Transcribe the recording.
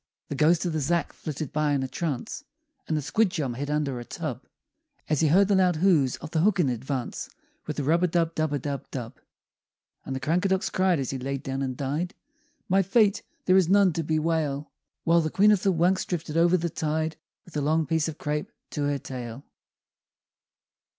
The ghost of the Zhack flitted by in a trance; And the Squidjum hid under a tub As he heard the loud hooves of the Hooken advance With a rub a dub dub a dub dub! And the Crankadox cried as he laid down and died, "My fate there is none to bewail!" While the Queen of the Wunks drifted over the tide With a long piece of crape to her tail.